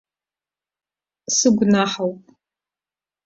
Сыгәнаҳауп.